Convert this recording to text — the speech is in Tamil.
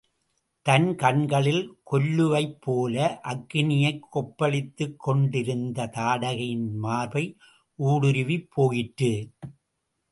தன் கண்களில் கொல்லுலை போல அக்கினியைக் கொப்புளித்துக்கொண்டிருந்த தாடகையின் மார்பை ஊடுருவிப் போயிற்று.